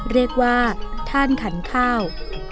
เรียกว่าท่านขันข้าว